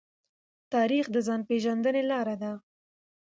تاریخ د ځان پېژندنې لاره ده.